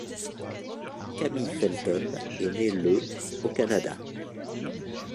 Camille Felton est née le au Canada.